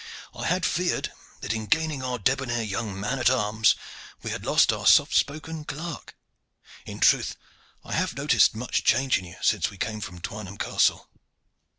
I had feared that in gaining our debonair young man at arms we had lost our soft spoken clerk. In truth, I have noted much change in you since we came from Twynham Castle."